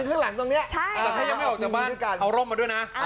แต่ถ้ายังไม่ออกจากบ้านเอาร่มมาด้วยนะ